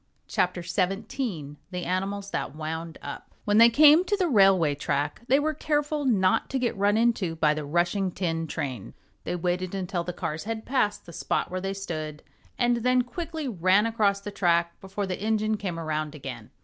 CHAPTER 17 The Animals That Wound Up When they came to the railway track they were careful not to get run into by the rushing tin train. They waited until the cars had passed the spot where they stood and then quickly ran across the track before the engine came around again.